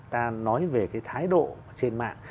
ta nói về cái thái độ trên mạng